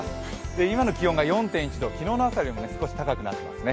今の気温が４．１度、昨日の朝よりも少し高くなっていますね。